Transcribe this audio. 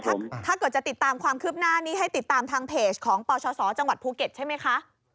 ถ้าเกิดจะติดตามความคืบหน้านี้ให้ติดตามทางเพจของปชศจังหวัดภูเก็ตใช่ไหมคะ